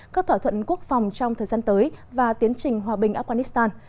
các thỏa thuận quốc phòng trong thời gian tới và tiến trình hòa bình afghanistan